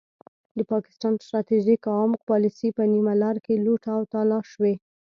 د پاکستان ستراتیژیک عمق پالیسي په نیمه لار کې لوټ او تالا شوې.